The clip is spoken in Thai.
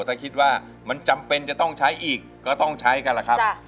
ถ้าคิดว่ามันจำเป็นจะต้องใช้อีกก็ต้องใช้กันล่ะครับ